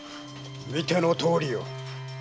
見てのとおりよ。